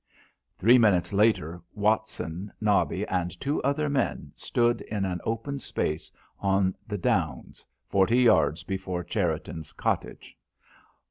Three minutes later, Watson, Nobby and two other men stood in an open space on the downs, forty yards before Cherriton's cottage.